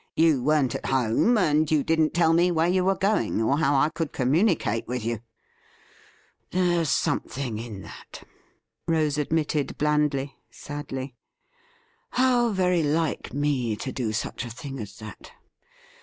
You weren't at home, and you didn't tell me where you were going, or how I could communicate with you.' 'There's something in that,' Rose admitted blandly, sadly. 'How very like me to do such a thing as that!